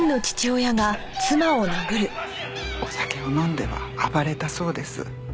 お酒を飲んでは暴れたそうです。